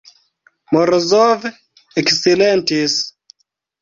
Morozov eksilentis.